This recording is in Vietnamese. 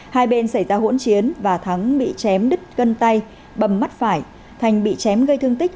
hai bên xảy ra hỗn chiến và thắng bị chém đứt cân tay bầm mắt phải thành bị chém gây thương tích